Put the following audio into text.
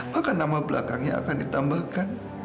maka nama belakangnya akan ditambahkan regina putri